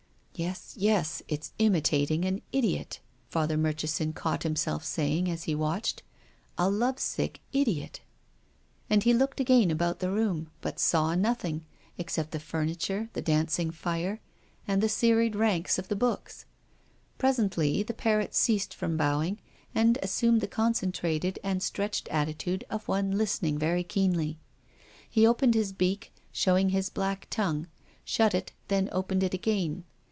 " Yes, yes, it's imitating an idiot," Father Mur chison caught himself saying as he watched. " A love sick idiot." And he looked again about the room, but saw nothing ; except the furniture, the dancing fire, and the serried ranks of tlie books. Presently the parrot ceased from bowing, and assumed the concentrated and stretched attitude of one listen ing very keenly. He opened his beak, showing his black tongue, shut it, then opened it again.